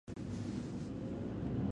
ډېره پروسس شوې ډوډۍ ډېر کیمیاوي مواد لري.